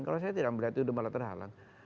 kalau saya tidak melihat itu malah terhalang